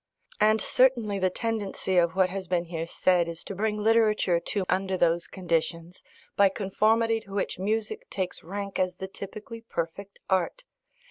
And certainly the tendency of what has been here said is to bring literature too under those conditions, by conformity to which music takes rank as the typically perfect art.